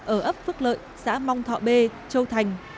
ở ấp phước lợi xã mong thọ b châu thành